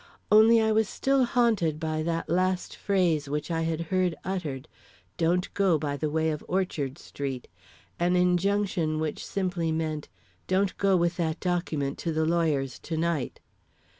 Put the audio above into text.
Only I was still haunted by that last phrase which I had heard uttered, "Don't go by the way of Orchard Street," an injunction which simply meant, "Don't go with that document to the lawyer's to night."